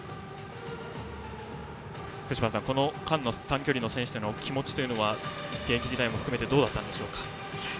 福島さん、この間の短距離の選手の気持ちというのは現役時代も含めてどうでしたか。